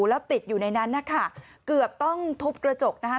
แล้วติดอยู่ในนั้นนะคะเกือบต้องทุบกระจกนะคะ